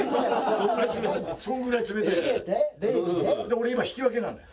俺今引き分けなのよ。